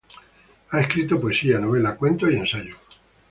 Ha escrito poesía, novela, cuentos y ensayo.